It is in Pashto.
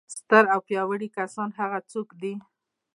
ستر او پیاوړي کسان هغه څوک دي.